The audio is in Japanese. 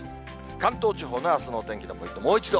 関東地方のあすの天気のポイント、もう一度。